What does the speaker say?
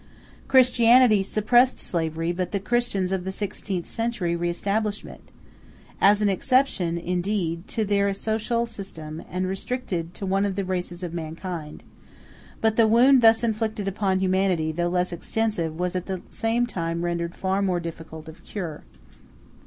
Christianity suppressed slavery, but the Christians of the sixteenth century re established it—as an exception, indeed, to their social system, and restricted to one of the races of mankind; but the wound thus inflicted upon humanity, though less extensive, was at the same time rendered far more difficult of cure.